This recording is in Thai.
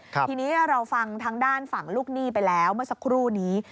ทีนี้เราฟังทางด้านฝั่งลูกหนี้ไปแล้วเมื่อสักครู่นี้